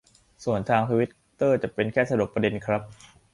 ส่วนทางทวิตเตอร์จะเป็นแค่สรุปประเด็นครับ